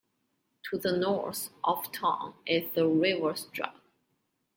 To the north of town is the River Strug.